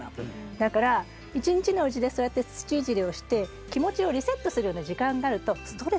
だから一日のうちでそうやって土いじりをして気持ちをリセットするような時間があるとストレスがたまらない。